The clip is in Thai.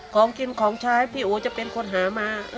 ของกินของใช้พี่โอจะเป็นคนหามา